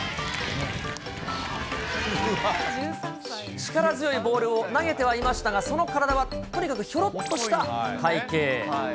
力強いボールを投げてはいましたが、その体はとにかくひょろっとした体形。